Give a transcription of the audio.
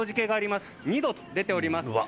２度と出ております。